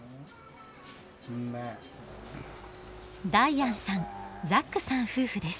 ダイアンさんザックさん夫婦です。